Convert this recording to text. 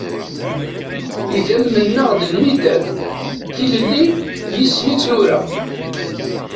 Idammen-nneɣ d lmidad, tilelli, yis-sen i tt-nura.